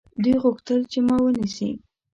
دوی غوښتل چې ما ونیسي.